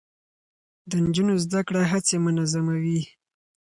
د نجونو زده کړه هڅې منظموي.